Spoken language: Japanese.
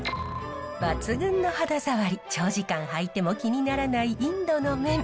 抜群の肌触り長時間履いても気にならないインドの綿。